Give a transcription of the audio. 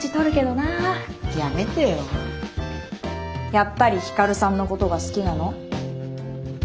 やっぱり光さんのことが好きなの？